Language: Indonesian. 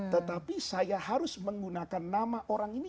tetapi saya harus menggunakan nama orang ini